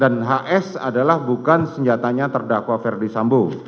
dan hs adalah bukan senjatanya terdakwa verdi sambo